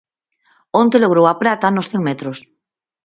Onte logrou a prata nos cen metros.